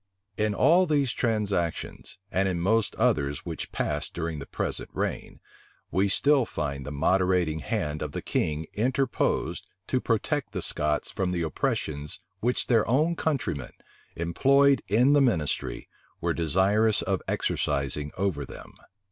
In all these transactions, and in most others which passed during the present reign, we still find the moderating hand of the king interposed to protect the Scots from the oppressions which their own countrymen, employed in the ministry, were desirous of exercising over them.